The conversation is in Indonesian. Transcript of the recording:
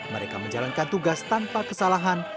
mereka menjalankan tugas tanpa kesalahan